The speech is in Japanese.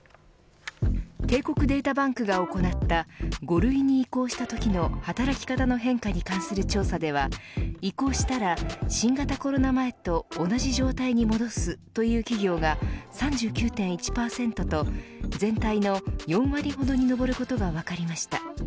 帝国データバンクが行った５類に移行したときの働き方の変化に関する調査では移行したら新型コロナ前と同じ状態に戻すという企業が３９．１％と全体の４割ほどに上ることが分かりました。